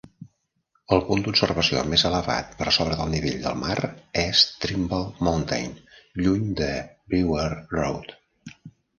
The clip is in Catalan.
El punt d'observació més elevat, per sobre del nivell del mar, és Trimble Mountain, lluny de Brewer Road.